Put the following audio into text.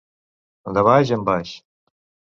De baix en baix.